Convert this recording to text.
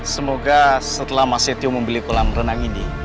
semoga setelah mas setio membeli kolam renang ini